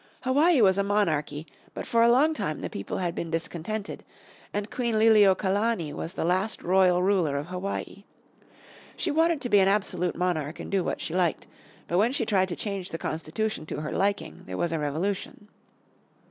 Hawaii was a monarchy, but for a long time the people had been discontented, and Queen Liliuokalani was the last royal ruler of Hawaii. She wanted to be an absolute monarch, and do what she liked. But when she tried to change the constitution to her liking there was a revolution.